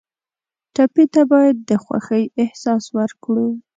ټپي ته باید د خوښۍ احساس ورکړو.